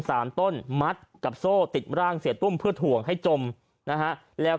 สามต้นมัดกับโซ่ติดร่างเสียตุ้มเพื่อถ่วงให้จมนะฮะแล้ว